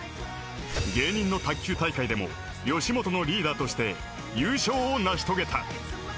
芸人の卓球大会でも吉本のリーダーとして優勝を成し遂げた。